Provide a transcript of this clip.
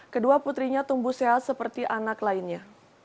kedua putrinya tumbuh sehat seperti anak lainnya